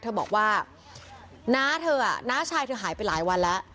เธอบอกว่าน้าเธอน้าชายเธอหายไปหลายวันแล้ว